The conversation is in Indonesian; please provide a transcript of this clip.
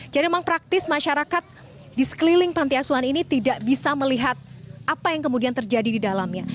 jadi memang praktis masyarakat di sekeliling pantai asuhan ini tidak bisa melihat apa yang kemudian terjadi di dalamnya